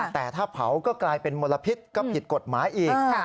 แต่ถ้าเผาก็กลายเป็นมลพิษก็ผิดกฎหมายอีก